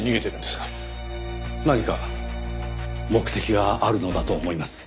何か目的があるのだと思います。